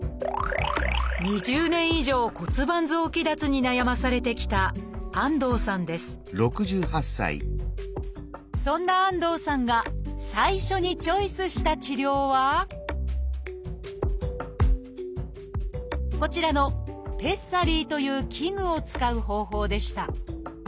２０年以上骨盤臓器脱に悩まされてきたそんな安藤さんが最初にチョイスした治療はこちらの「ペッサリー」という器具を使う方法でした。